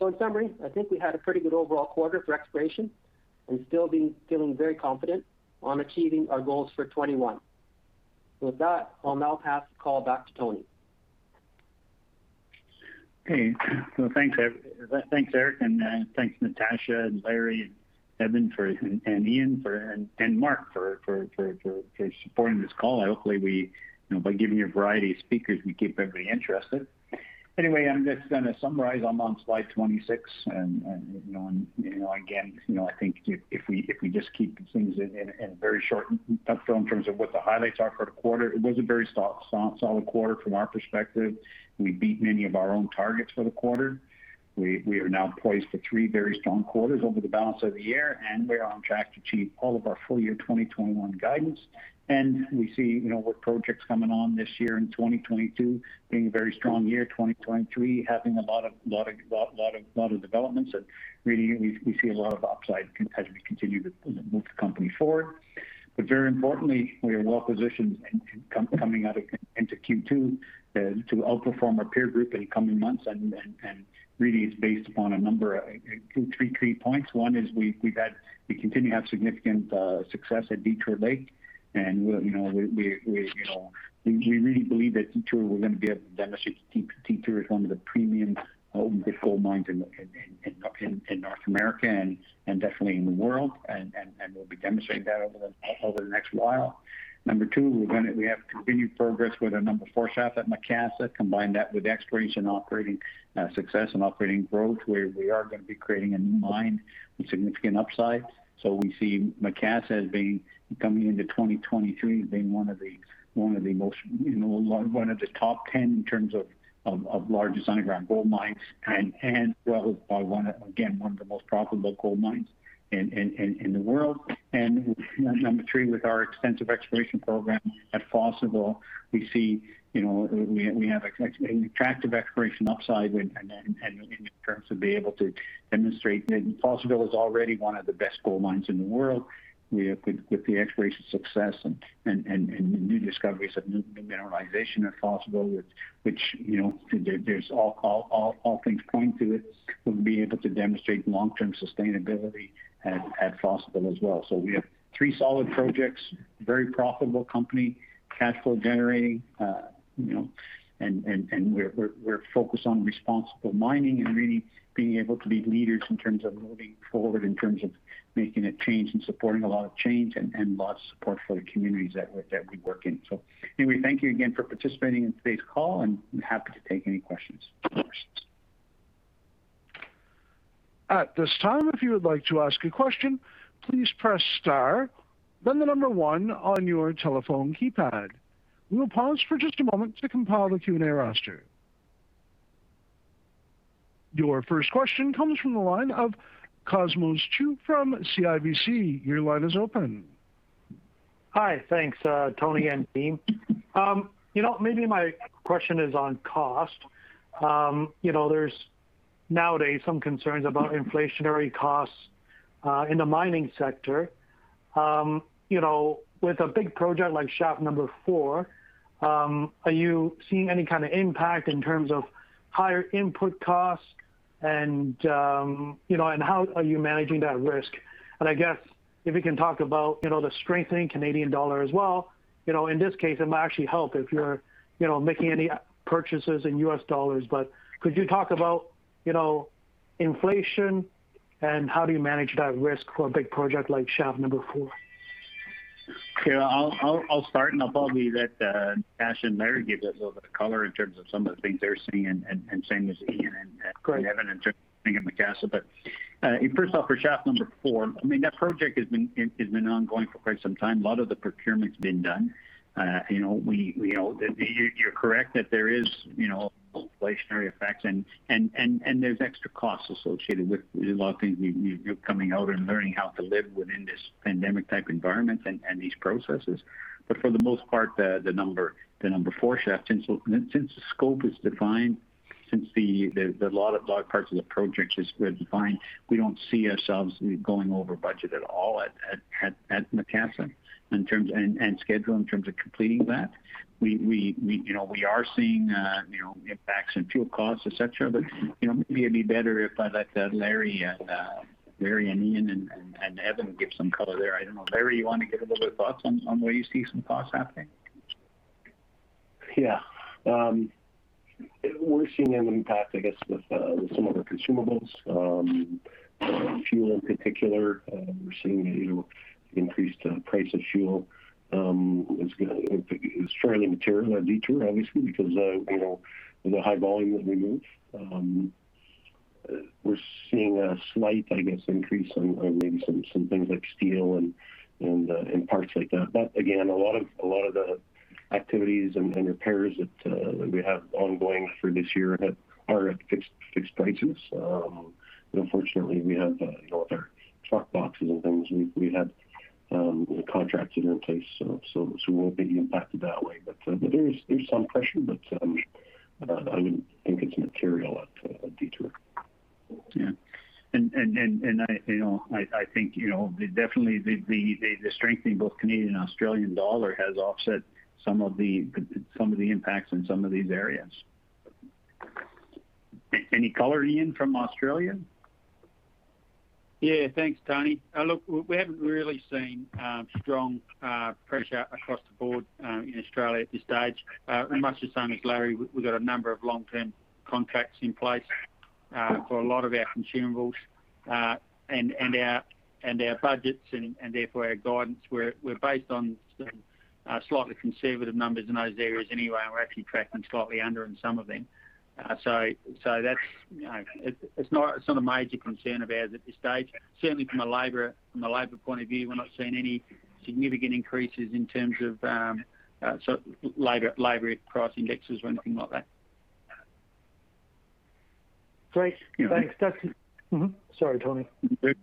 In summary, I think we had a pretty good overall quarter for exploration and still feeling very confident on achieving our goals for 2021. With that, I'll now pass the call back to Tony. Thanks, Eric, and thanks, Natasha and Larry and Evan and Ion and Mark for supporting this call. Hopefully by giving you a variety of speakers, we keep everybody interested. I'm just going to summarize. I'm on slide 26, and again, I think if we just keep things in very short in terms of what the highlights are for the quarter, it was a very solid quarter from our perspective. We beat many of our own targets for the quarter. We are now poised for three very strong quarters over the balance of the year, and we're on track to achieve all of our full year 2021 guidance. We see with projects coming on this year in 2022 being a very strong year, 2023 having a lot of developments, and really, we see a lot of upside as we continue to move the company forward. Very importantly, we are well positioned coming out into Q2 to outperform our peer group in coming months. Really it's based upon a number of three points. One is we continue to have significant success at Detour Lake, and we really believe that Detour, we're going to be able to demonstrate that Detour is one of the premium gold mines in North America, and definitely in the world. We'll be demonstrating that over the next while. Number two, we have continued progress with our Number 4 Shaft at Macassa. Combine that with exploration operating success and operating growth, where we are going to be creating a new mine with significant upside. We see Macassa, coming into 2023, being one of the top 10 in terms of largest underground gold mines and, well, again, one of the most profitable gold mines in the world. Number three, with our extensive exploration program at Fosterville, we see we have an attractive exploration upside and in terms of being able to demonstrate that Fosterville is already one of the best gold mines in the world with the exploration success and new discoveries of new mineralization at Fosterville, which all things point to it being able to demonstrate long-term sustainability at Fosterville as well. We have three solid projects, very profitable company, cash flow generating, and we're focused on responsible mining and really being able to be leaders in terms of moving forward, in terms of making a change and supporting a lot of change and a lot of support for the communities that we work in. Anyway, thank you again for participating in today's call, and happy to take any questions. At this time, if you would like to ask a question please press star, then the number one on your telephone keypad. Will pause for just a moment to compile the Q&A roster. Your first question comes from the line of Cosmos Chiu from CIBC. Your line is open. Hi. Thanks, Tony and team. My question is on cost. There's nowadays some concerns about inflationary costs in the mining sector. With a big project like Number 4 Shaft, are you seeing any kind of impact in terms of higher input costs, and how are you managing that risk? I guess if you can talk about the strengthening Canadian dollar as well, in this case, it might actually help if you're making any purchases in US dollars. Could you talk about inflation and how do you manage that risk for a big project like Number 4 Shaft? Yeah, I'll start and I'll probably let Natasha and Larry give us a little bit of color in terms of some of the things they're seeing and same as Ion - Great - and Evan, in terms of seeing at Macassa. First off, for Number 4 Shaft, that project has been ongoing for quite some time. A lot of the procurement's been done. You're correct that there is inflationary effects and there's extra costs associated with a lot of things. You're coming out and learning how to live within this pandemic-type environment and these processes. For the most part, the Number 4 Shaft, since the scope is defined, since a lot of parts of the project is defined, we don't see ourselves going over budget at all at Macassa and schedule in terms of completing that. We are seeing impacts in fuel costs, et cetera, maybe it'd be better if I let Larry and Ion and Evan give some color there. I don't know. Larry, you want to give a little bit of thoughts on where you see some costs happening? Yeah. We're seeing an impact, I guess, with some of the consumables. Fuel in particular, we're seeing increased price of fuel is fairly material at Detour, obviously, because of the high volume that we move. We're seeing a slight, I guess, increase on maybe some things like steel and parts like that. Again, a lot of the activities and repairs that we have ongoing for this year are at fixed prices. Fortunately, we have our truck boxes and things, we had contracts in place, so we won't be impacted that way. There is some pressure, but I wouldn't think it's material at Detour. Yeah. I think definitely the strengthening of both Canadian and Australian dollar has offset some of the impacts in some of these areas. Any color, Ion, from Australia? Yeah, thanks, Tony. Look, we haven't really seen strong pressure across the board in Australia at this stage. Much the same as Larry, we've got a number of long-term contracts in place for a lot of our consumables and our budgets and therefore our guidance. We're based on some slightly conservative numbers in those areas anyway, and we're actually tracking slightly under in some of them. It's not a major concern of ours at this stage. Certainly from a labor point of view, we're not seeing any significant increases in terms of labor price indexes or anything like that. Great. Thanks. Sorry, Tony.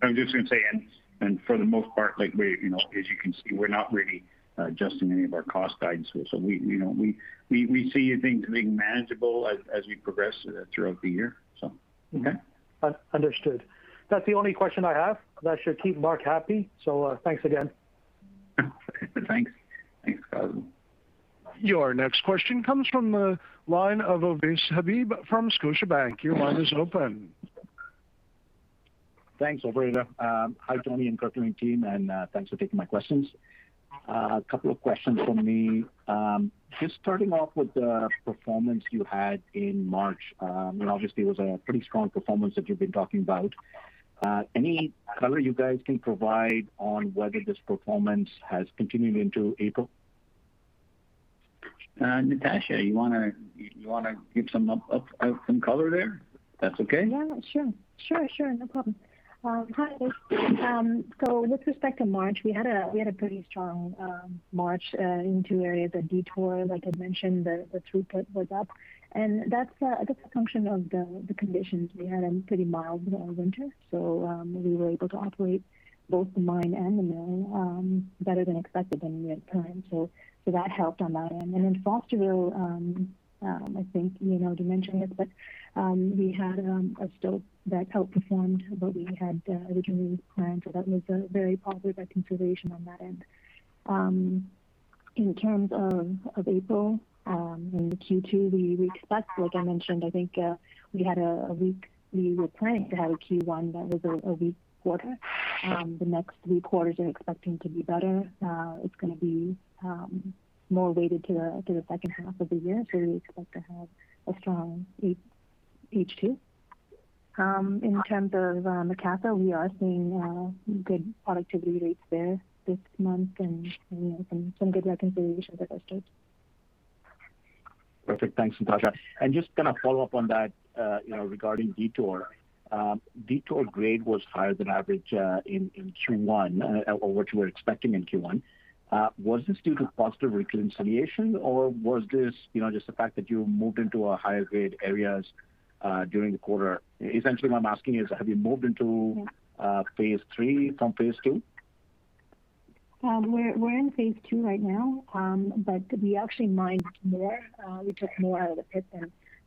I'm just going to say, for the most part, as you can see, we're not really adjusting any of our cost guidance here. We see things being manageable as we progress throughout the year. Okay. Understood. That's the only question I have. That should keep Mark happy. Thanks again. Thanks. Thanks, Cosmos. Your next question comes from the line of Ovais Habib from Scotiabank. Your line is open. Thanks, operator. Hi, Tony and Kirkland team. Thanks for taking my questions. A couple of questions from me. Just starting off with the performance you had in March, obviously it was a pretty strong performance that you've been talking about. Any color you guys can provide on whether this performance has continued into April? Natasha, you want to give some color there, if that's okay? Yeah, sure. No problem. Hi, Ovais. With respect to March, we had a pretty strong March in two areas at Detour. Like I mentioned, the throughput was up, and that's a function of the conditions we had and pretty mild winter. We were able to operate both the mine and the mill better than expected than we had planned. That helped on that end. Then Fosterville, I think we'd have to mention this, but we had a stope that outperformed what we had originally planned, so that was a very positive reconciliation on that end. In terms of April, in the Q2, we expect, like I mentioned, I think we were planning to have a Q1 that was a weak quarter. The next three quarters we're expecting to be better. It's going to be more weighted to the second half of the year. We expect to have a strong H2. In terms of Macassa, we are seeing good productivity rates there this month and some good reconciliations at that stage. Perfect. Thanks, Natasha. Just kind of follow up on that regarding Detour. Detour grade was higher than average in Q1 or what you were expecting in Q1. Was this due to positive reconciliation or was this just the fact that you moved into a higher grade areas during the quarter? Essentially what I'm asking is, have you moved into phase III from phase II? We're in phase II right now, but we actually mined more. We took more out of the pit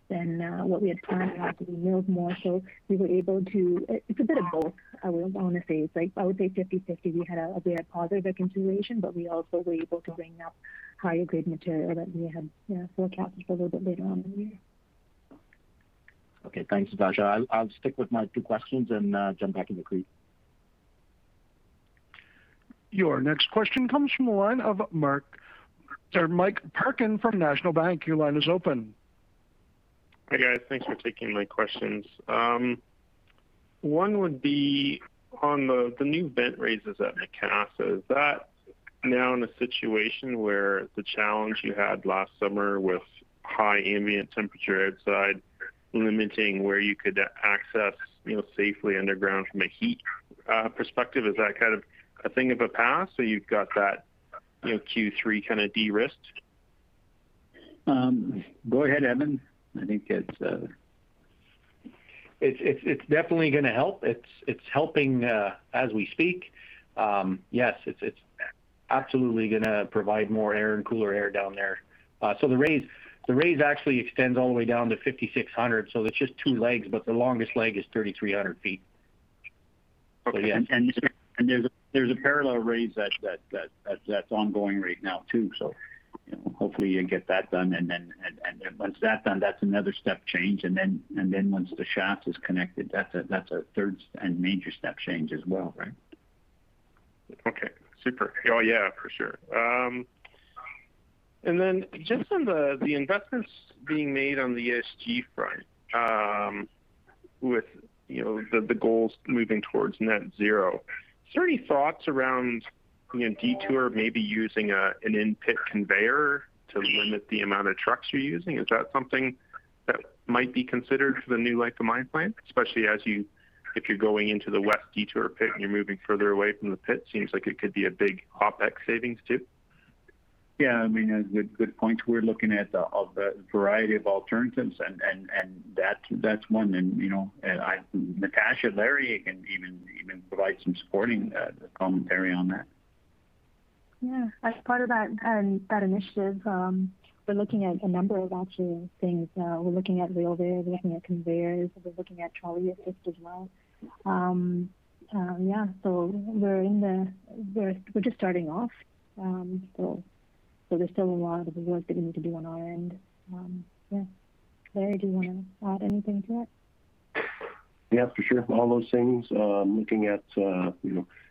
than what we had planned. We milled more. It's a bit of both, I want to say. It's like, I would say 50/50. We had a positive reconciliation, but we also were able to bring up higher grade material that we had forecasted for a little bit later on in the year. Okay, thanks, Natasha. I'll stick with my two questions and jump back in the queue. Your next question comes from the line of Mike Parkin from National Bank. Your line is open. Hi, guys. Thanks for taking my questions. One would be on the new vent raises at Macassa. Is that now in a situation where the challenge you had last summer with high ambient temperature outside limiting where you could access safely underground from a heat perspective, is that a thing of the past? You've got that Q3 kind of de-risked? Go ahead, Evan. I think it's. It's definitely going to help. It's helping as we speak. Yes, it's absolutely going to provide more air and cooler air down there. The raise actually extends all the way down to 5,600. It's just two legs, but the longest leg is 3,300 ft. Okay. There's a parallel raise that's ongoing right now, too, so hopefully you get that done. Once that's done, that's another step change. Once the shaft is connected, that's a third and major step change as well, right? Okay. Super. Oh, yeah, for sure. Then just on the investments being made on the ESG front, with the goals moving towards net zero, is there any thoughts around Detour maybe using an in-pit conveyor to limit the amount of trucks you're using? Is that something that might be considered for the new life of mine plan, especially if you're going into the west Detour pit, and you're moving further away from the pit? Seems like it could be a big OpEx savings, too. Yeah, a good point. We're looking at a variety of alternatives, and that's one. Natasha, Larry can even provide some supporting commentary on that. Yeah. As part of that initiative, we're looking at a number of actual things. We're looking at rail there, we're looking at conveyors, and we're looking at trolley assist as well. Yeah. We're just starting off, so there's still a lot of the work that we need to do on our end. Yeah. Larry, do you want to add anything to that? Yeah. For sure. All those things, looking at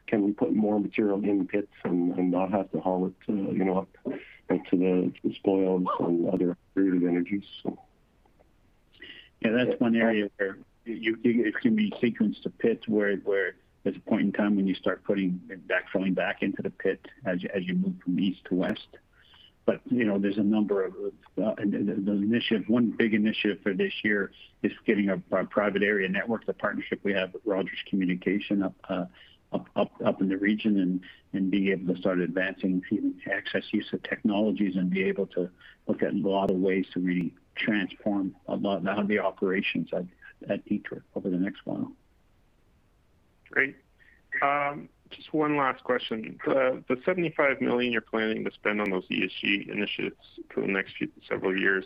can we put more material in pits and not have to haul it up into the spoils and other creative energies? Yeah, that's one area where it can be sequenced to pits where there's a point in time when you start putting it back, filling back into the pit as you move from east to west. There's a number of those initiatives. One big initiative for this year is getting a private area network, the partnership we have with Rogers Communications up in the region, and being able to start advancing access use of technologies and be able to look at a lot of ways to really transform a lot of the operations at Detour over the next while. Great. Just one last question. The $75 million you're planning to spend on those ESG initiatives for the next several years,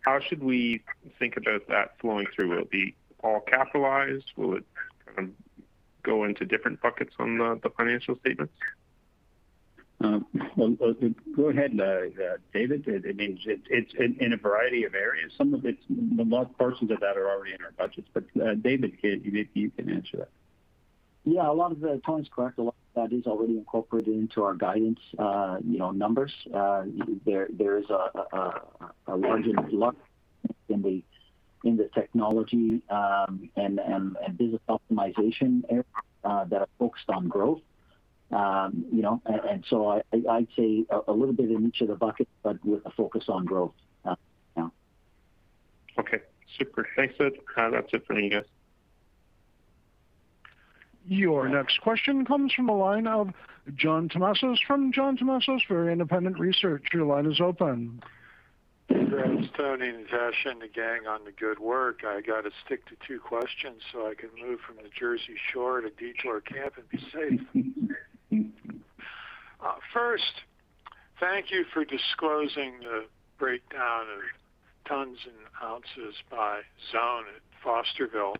how should we think about that flowing through? Will it be all capitalized? Will it go into different buckets on the financial statements? Well, go ahead, David. It's in a variety of areas. Parts of that are already in our budgets. David, maybe you can answer that. Yeah, Tony's correct. A lot of that is already incorporated into our guidance numbers. There is a larger lump in the technology and business optimization area that are focused on growth. I'd say a little bit in each of the buckets, but with a focus on growth. Yeah. Okay. Super. Thanks. That's it from me, guys. Your next question comes from the line of John Tumazos from John Tumazos Very Independent Research. Your line is open. Congrats, Tony, Natasha, and the gang on the good work. I got to stick to two questions so I can move from the Jersey Shore to Detour camp and be safe. First, thank you for disclosing the breakdown of tons and ounces by zone at Fosterville.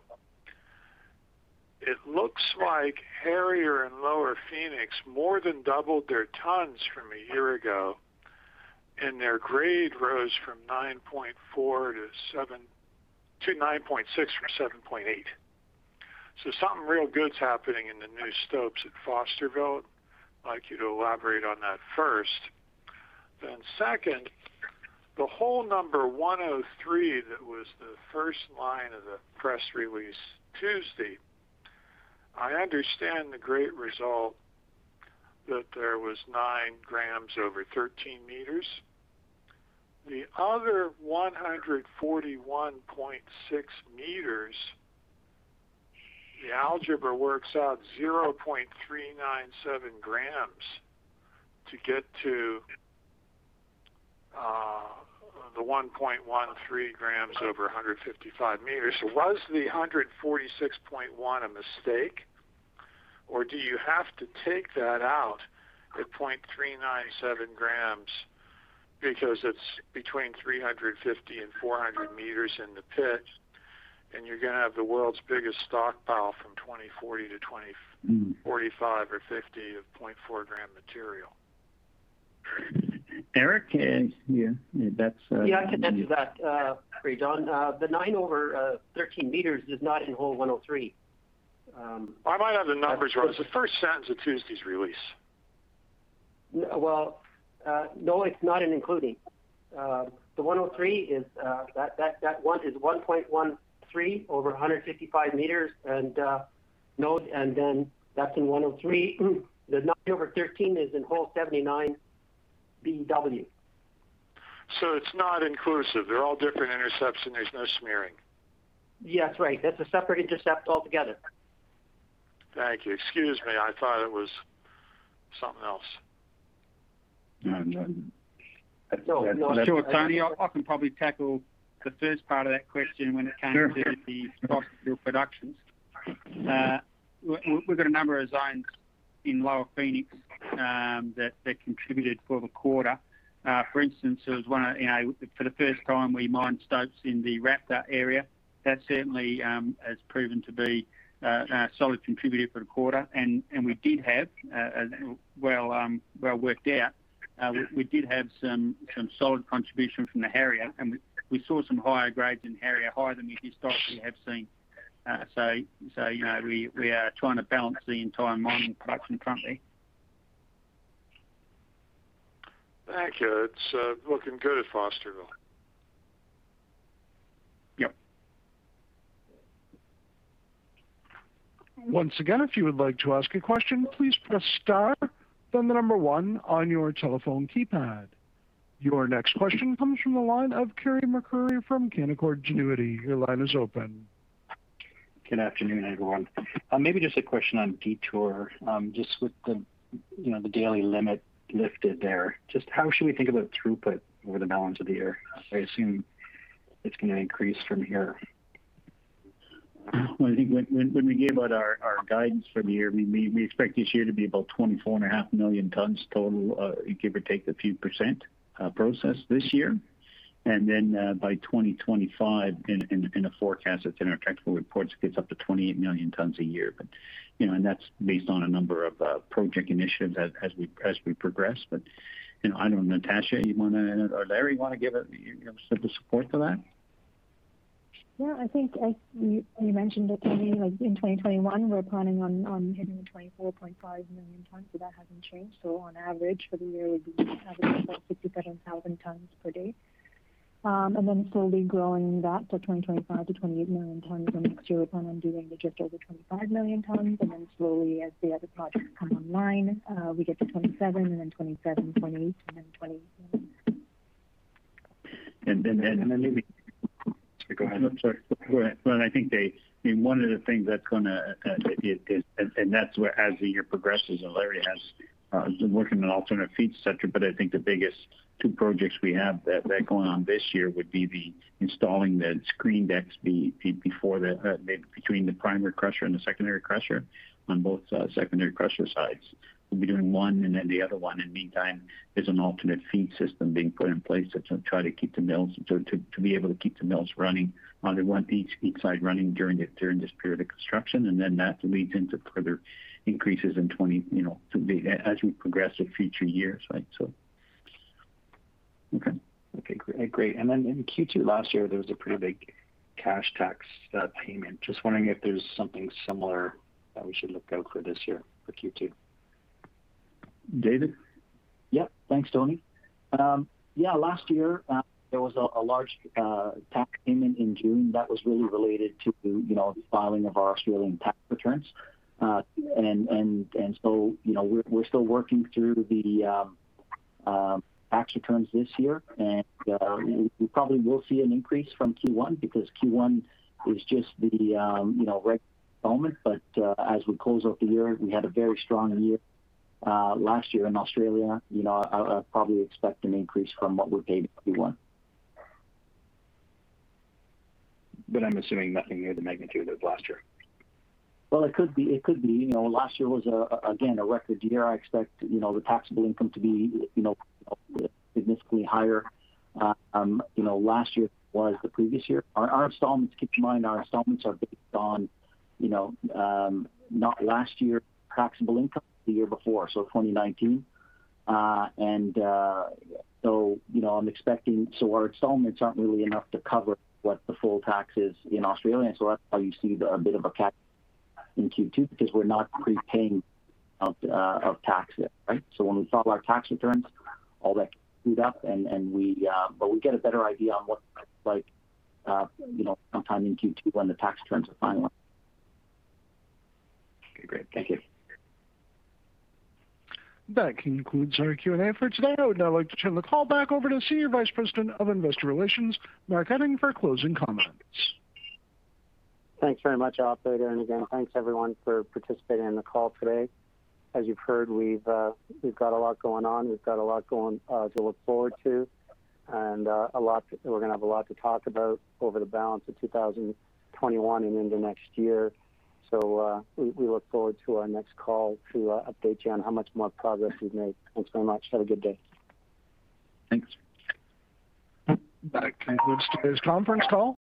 It looks like Harrier and Lower Phoenix more than doubled their tons from a year ago, and their grade rose from 9.4-9.6 from 7.8. Something real good's happening in the new stopes at Fosterville. I'd like you to elaborate on that first. Second, the hole number 103, that was the first line of the press release Tuesday. I understand the great result that there was 9 grams over 13 meters. The other 141.6 meters, the algebra works out 0.397 grams to get to the 1.13 grams over 155 meters. Was the 146.1 a mistake, or do you have to take that out at 0.397 grams because it's between 350 and 400 meters in the pit, and you're going to have the world's biggest stockpile from 2040 to 2045 or 2050 of 0.4-gram material? Eric? Yeah, I can answer that for you, John. The nine over 13 meters is not in hole 103. I might have the numbers wrong. It's the first sentence of Tuesday's release. Well, no, it's not an including. The 103, that one is 1.13 over 155 meters, and then that's in 103. The number over 13 is in hole 79BW. It's not inclusive. They're all different intercepts and there's no smearing. Yes, right. That's a separate intercept altogether. Thank you. Excuse me. I thought it was something else. Sure, Tony, I can probably tackle the first part of that question when it came to the Fosterville productions. We've got a number of zones in Lower Phoenix that contributed for the quarter. For instance, for the first time, we mined stopes in the Raptor area. That certainly has proven to be a solid contributor for the quarter. We did have some solid contribution from the area, and we saw some higher grades in the area, higher than we historically have seen. We are trying to balance the entire mining production currently. Thank you. It's looking good at Fosterville. Yep. Once again if you would like to ask a question please press star, then the number one on your telephone keypad. Your next question comes from the line of Carey MacRury from Canaccord Genuity. Your line is open. Good afternoon, everyone. Maybe just a question on Detour. Just with the daily limit lifted there, just how should we think about throughput over the balance of the year? I assume it's going to increase from here. Well, I think when we gave out our guidance for the year, we expect this year to be about 24.5 million tonnes total, give or take a few percent, processed this year. By 2025, in the forecast that's in our technical reports, it gets up to 28 million tonnes a year. That's based on a number of project initiatives as we progress. I don't know, Natasha, you want to, or Larry, you want to give a sort of support to that? Yeah, I think as you mentioned it, Tony, like in 2021, we're planning on hitting the 24.5 million tonnes, so that hasn't changed. On average for the year, we'd be averaging about 57,000 tonnes per day. Slowly growing that to 2025 to 28 million tonnes. Next year we plan on doing just over 25 million tonnes. Slowly as the other projects come online, we get to 27, 28 and then 29. Go ahead. I'm sorry. Go ahead. That's where as the year progresses, Larry has been working on an alternate feed structure. I think the biggest two projects we have that are going on this year would be the installing the screen decks between the primary crusher and the secondary crusher on both secondary crusher sides. We'll be doing one and then the other one. In the meantime, there's an alternate feed system being put in place to try to be able to keep the mills running, only one feed side running during this period of construction. That leads into further increases as we progress in future years. Okay. Great. In Q2 last year, there was a pretty big cash tax payment. Just wondering if there's something similar that we should look out for this year for Q2? David? Yep. Thanks, Tony. Yeah, last year, there was a large tax payment in June that was really related to the filing of our Australian tax returns. We're still working through the tax returns this year. We probably will see an increase from Q1 because Q1 was just the right moment. As we close out the year, we had a very strong year, last year in Australia. I probably expect an increase from what we paid in Q1. I'm assuming nothing near the magnitude of last year. Well, it could be. Last year was, again, a record year. I expect the taxable income to be significantly higher last year than it was the previous year. Keep in mind, our installments are based on, not last year's taxable income, the year before, so 2019. I'm expecting our installments aren't really enough to cover what the full tax is in Australia, and so that's why you see a bit of a cap in Q2 because we're not prepaying of tax yet, right? When we file our tax returns, all that will be up. We get a better idea on what that looks like sometime in Q2 when the tax returns are final. Okay, great. Thank you. That concludes our Q&A for today. I would now like to turn the call back over to Senior Vice President of Investor Relations, Mark Utting, for closing comments. Thanks very much, operator, and again, thanks everyone for participating in the call today. As you've heard, we've got a lot going on. We've got a lot to look forward to and we're going to have a lot to talk about over the balance of 2021 and into next year. We look forward to our next call to update you on how much more progress we've made. Thanks very much. Have a good day. Thanks. That concludes today's conference call.